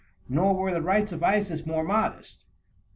Nor were the rites of Isis more modest.